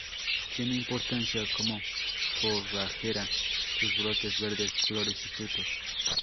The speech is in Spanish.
Tiene importancia como forrajera, sus brotes verdes, flores y frutos.